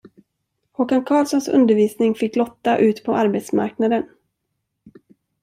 Håkan Carlssons undervisning fick Lotta ut på arbetsmarknaden.